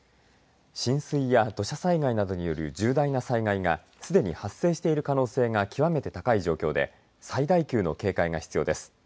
浸水や土砂災害などによる重大な災害がすでに発生してる可能性が極めて高い状況で最大級の警戒が必要です。